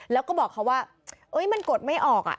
แล้วก็บอกเขาว่า